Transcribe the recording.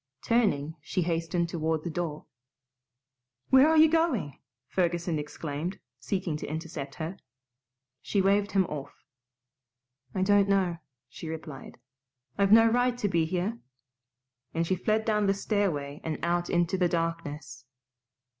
Turning, she hastened toward the door. "Where are you going?" Ferguson exclaimed, seeking to intercept her. She waved him off. "I don't know," she replied. "I've no right to be here," and she fled down the stairway and out into the darkness.